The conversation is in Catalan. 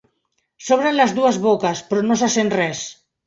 S'obren les dues boques, però no se sent res.